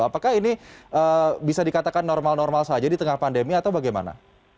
apakah ini bisa dikatakan normal normal saja di tengah pandemi atau bagaimana